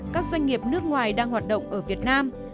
các doanh nghiệp nước ngoài đang hoạt động ở việt nam